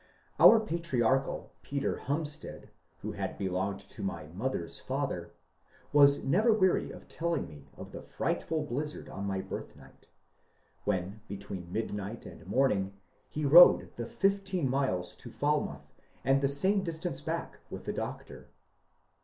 Our patriarchal Peter Humstead, who had belonged to my mother's father, was never weary of telling me of the frightful blizzard on my birthnight, when between midnight and morn ing he rode the fifteen miles to Falmouth and the same dis tance back with the doctor.